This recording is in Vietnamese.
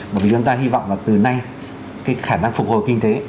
bởi vì chúng ta hy vọng là từ nay cái khả năng phục hồi kinh tế